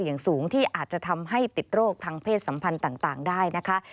อย่างสูงที่อาจจะทำให้ติดโรคทางเพศสัมพันธ์ต่างได้นะคะ